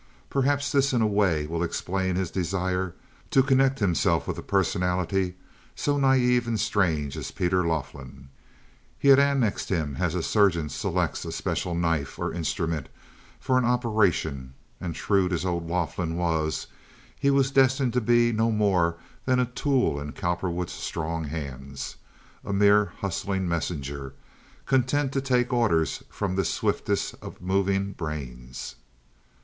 Perhaps this, in a way, will explain his desire to connect himself with a personality so naive and strange as Peter Laughlin. He had annexed him as a surgeon selects a special knife or instrument for an operation, and, shrewd as old Laughlin was, he was destined to be no more than a tool in Cowperwood's strong hands, a mere hustling messenger, content to take orders from this swiftest of moving brains.